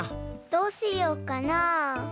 どうしようかな。